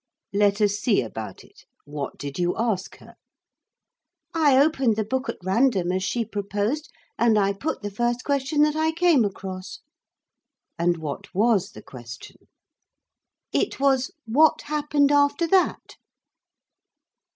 "Let us see about it. What did you ask her?" "I opened the book at random, as she proposed, and I put the first question that I came across." "And what was the question?" "It was, 'What happened after that?